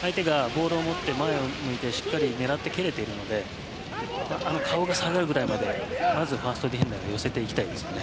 相手がボールを持って前を向いてしっかりと狙って、蹴れているので顔が下がるぐらいまでファーストディフェンダーが寄せていきたいですね。